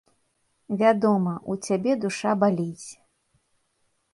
Вядома, у цябе душа баліць.